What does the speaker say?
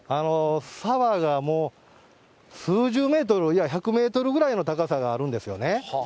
沢がもう、数十メートル、いや１００メートルぐらいの高さがあるんですよね。